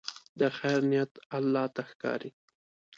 د خیر نیت الله ته ښکاري.